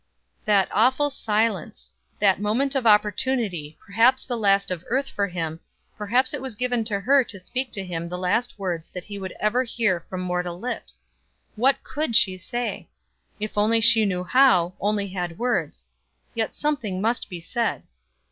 That awful silence! That moment of opportunity, perhaps the last of earth for him, perhaps it was given to her to speak to him the last words that he would ever hear from mortal lips. What could she say? If she only knew how only had words. Yet something must be said.